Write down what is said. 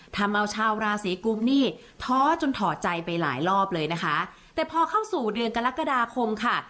ทำเอาชาวราศีกุมนี่ท้อจนถอดใจไปหลายรอบเลยนะคะแต่พอเข้าสู่เดือนกรกฎาคมค่ะ